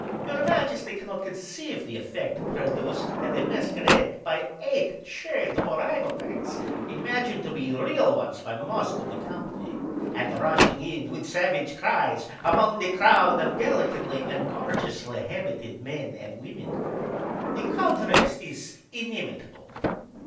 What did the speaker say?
Your majesty cannot conceive the effect produced, at a masquerade, by eight chained ourang outangs, imagined to be real ones by most of the company; and rushing in with savage cries, among the crowd of delicately and gorgeously habited men and women. The contrast is inimitable."